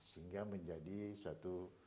sehingga menjadi satu